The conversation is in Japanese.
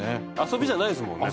遊びじゃないですもんね